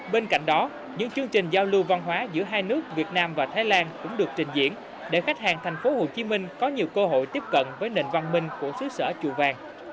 bên cạnh đó những chương trình giao lưu văn hóa giữa hai nước việt nam và thái lan cũng được trình diễn để khách hàng thành phố hồ chí minh có nhiều cơ hội tiếp cận với nền văn minh của xứ sở chùa vàng